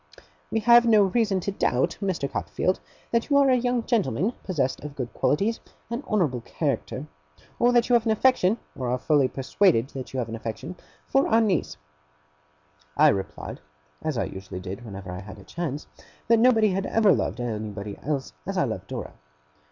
We have no reason to doubt, Mr. Copperfield, that you are a young gentleman possessed of good qualities and honourable character; or that you have an affection or are fully persuaded that you have an affection for our niece.' I replied, as I usually did whenever I had a chance, that nobody had ever loved anybody else as I loved Dora.